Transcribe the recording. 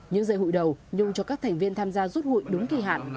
những dây hụi đầu nhung cho các thành viên tham gia rút hụi đúng kỳ hạn